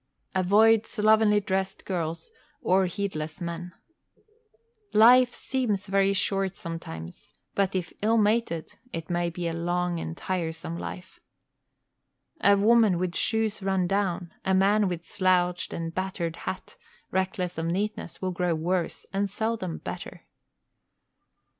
Avoid slovenly dressed girls or heedless men. Life seems very short sometimes, but if ill mated it may be a long and tiresome life. A woman with shoes run down, a man with slouched and battered hat, reckless of neatness, will grow worse, and seldom better.